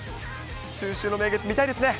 中秋の名月見たいですね。